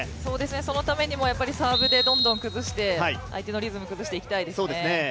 そのためにもサーブでどんどん崩して、相手のリズムを崩していきたいですね。